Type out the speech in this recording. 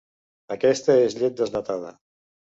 Aquesta és llet desnatada.